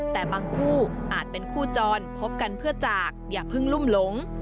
แต่บางคู่อาจเป็นคู่จรพบกันเพื่อจากอย่าเพิ่งลุ่มหลง